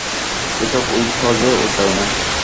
এসব উইল সহজে ওলটায় না।